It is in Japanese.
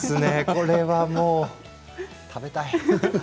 これはもう食べたい。